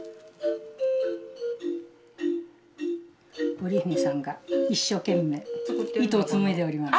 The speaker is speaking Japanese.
織姫さんが一生懸命糸を紡いでおります。